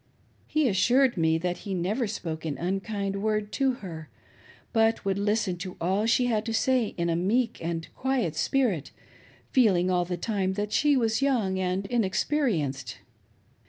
He assured me that he never spoke an unkind word to her, but would listen to all she had to say in a meek and quiet spiriti feeling all the time that she was young and inexperienced.